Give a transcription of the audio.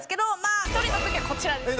１人の時はこちらですね。